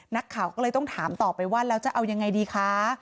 นักข่าวก็เลยต้องถามต่อไปว่าแล้วจะเอายังไงดีคะ